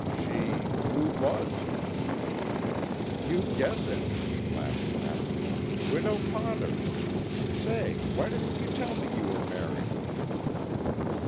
"She who was?" "You guess it!" laughed Rapp. "Widow Potter. Say, why didn't you tell me you were married?"